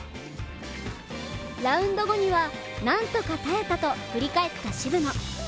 ラウンド後には何とか耐えたと振り返った渋野。